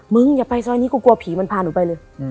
อย่าไปซอยนี้กูกลัวผีมันพาหนูไปเลย